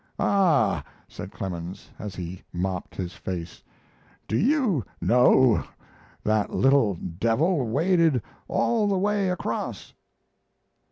"Ah," said Clemens, as he mopped his face, "do you know that little devil waded all the way across?"